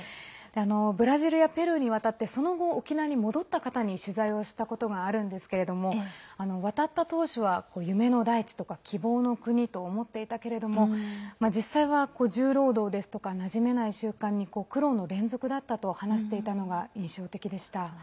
ブラジルやペルーに渡ってその後、沖縄に戻った方に取材をしたことがあるんですけれども渡った当初は夢の大地とか希望の国と思っていたけれども実際は重労働ですとかなじめない就労に苦労の連続だったと話していたのが印象的でした。